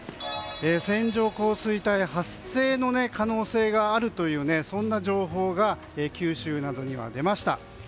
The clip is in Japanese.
線状降水帯発生の可能性があるというそんな情報が九州などに出ました。